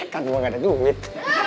kan gue gak ada duit